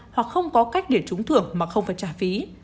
hoặc không có cách để trúng thưởng mà không phải trả phí